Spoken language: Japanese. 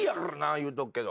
言うとくけど。